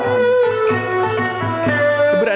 jalan surya kencana